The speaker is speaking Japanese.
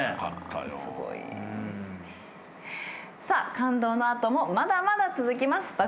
さあ感動の後もまだまだ続きます。